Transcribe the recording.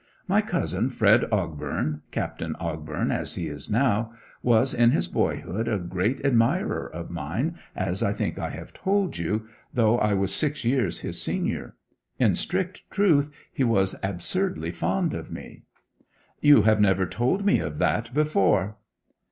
My cousin Fred Ogbourne Captain Ogbourne as he is now was in his boyhood a great admirer of mine, as I think I have told you, though I was six years his senior. In strict truth, he was absurdly fond of me.' 'You have never told me of that before.'